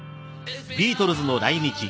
ビートルズの来日］